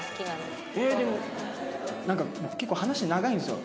でもなんか僕結構話長いんですよ。